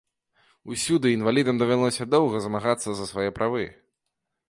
Усюды інвалідам давялося доўга змагацца за свае правы.